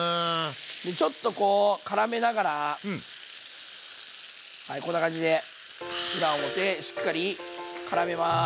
でちょっとこうからめながらはいこんな感じで裏表しっかりからめます。